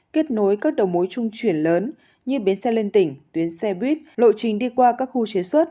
kết nối các đầu mối trung chuyển lớn như bến xe liên tỉnh tuyến xe buýt lộ trình đi qua các khu chế xuất